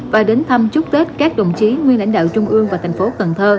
và đến thăm chúc tết các đồng chí nguyên lãnh đạo trung ương và tp cn